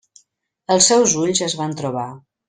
Els seus ulls es van trobar.